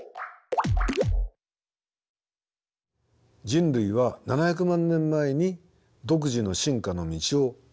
人類は７００万年前に独自の進化の道を歩み始めました。